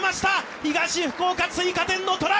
東福岡、追加点のトライ。